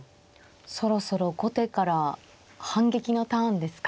そろそろ後手から反撃のターンですか？